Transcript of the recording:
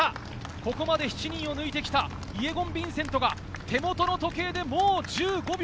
ここまで７人を抜いてきたイェゴン・ヴィンセントが手元の時計で１５秒。